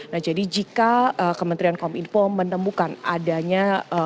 nah jadi jika kementerian kom info menemukan adanya